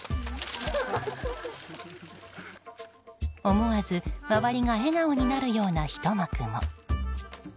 思わず周りが笑顔になるようなひと幕も。